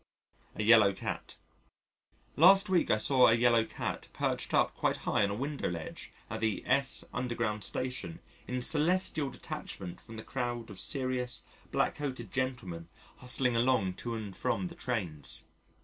A Yellow Cat Last week, I saw a yellow cat perched up quite high on a window ledge at the S Underground Station in celestial detachment from the crowd of serious, black coated gentlemen hustling along to and from the trains.